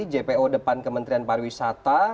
jpo depan kementerian pariwisata